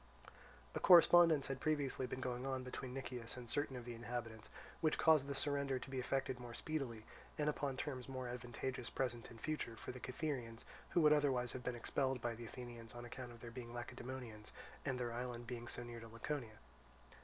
A correspondence had previously been going on between Nicias and certain of the inhabitants, which caused the surrender to be effected more speedily, and upon terms more advantageous, present and future, for the Cytherians; who would otherwise have been expelled by the Athenians on account of their being Lacedaemonians and their island being so near to Laconia.